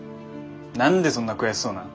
何でそんな悔しそうなん？